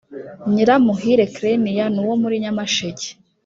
nyiramuhire clenia ni uwo muri nyamasheke